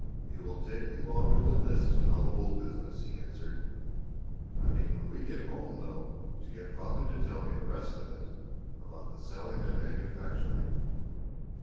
"It will take me longer than this to know the wool business," he answered. "I mean when we get home, though, to get father to tell me the rest of it about the selling and manufacturing."